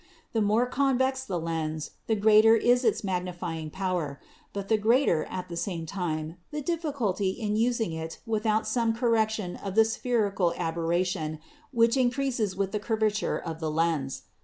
The more convex the lens the greater is its magnifying power, but the greater, at the same time, the difficulty in using it without some cor rection of the spherical aberration which increases with the curvature of the lens.